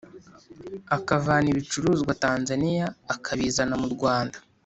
akavana ibicuruzwa tanzania akabizana murwanda